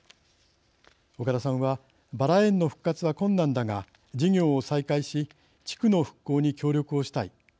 岡田さんは「バラ園の復活は困難だが事業を再開し地区の復興に協力をしたい。